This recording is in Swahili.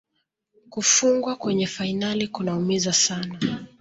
Kufungwa kwenye fainali kunaumiza sana